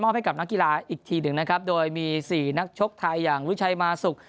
ให้กับนักกีฬาอีกทีหนึ่งนะครับโดยมีสี่นักชกไทยอย่างวิชัยมาสุก